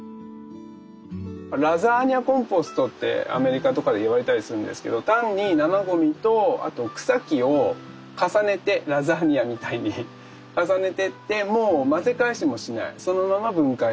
ラザニアコンポストってアメリカとかで言われたりするんですけど単に生ゴミとあと草木を重ねてラザニアみたいに重ねてってもう混ぜ返しもしないそのまま分解していきますっていうもので。